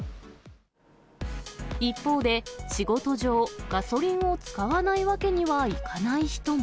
一方で、仕事上、ガソリンを使わないわけにはいかない人も。